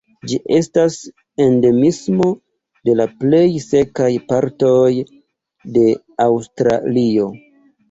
Ĝi estas endemismo de la plej sekaj partoj de Aŭstralio.